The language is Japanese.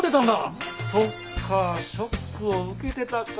そっかショックを受けてたか。